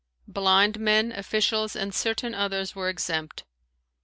Blind men, officials, and certain others were exempt.